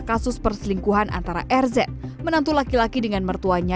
kasus perselingkuhan antara rz menantu laki laki dengan mertuanya